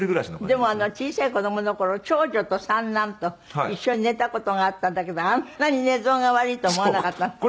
でも小さい子供の頃長女と三男と一緒に寝た事があったんだけどあんなに寝相が悪いと思わなかったんだって？